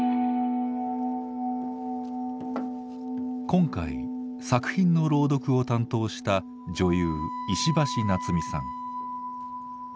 今回作品の朗読を担当した女優・石橋菜津美さん。